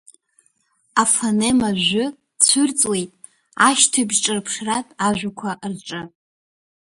Афонема жә цәырҵуеит ашьҭыбжьҿырԥшратә ажәақәа рҿы…